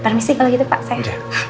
permisi kalau gitu pak saya